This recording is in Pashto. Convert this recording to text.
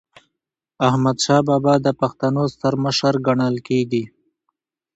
احمدشاه بابا د پښتنو ستر مشر ګڼل کېږي.